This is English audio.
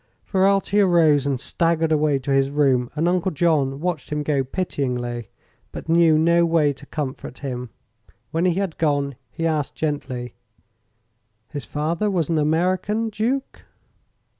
Ferralti arose and staggered away to his room, and Uncle John watched him go pityingly, but knew no way to comfort him. When he had gone he asked gently: "His father was an American, Duke?"